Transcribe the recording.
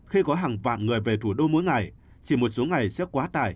khi có hàng vạn người về thủ đô mỗi ngày chỉ một số ngày sẽ quá tải